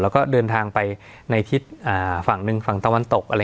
แล้วก็เดินทางไปในทิศฝั่งหนึ่งฝั่งตะวันตกอะไร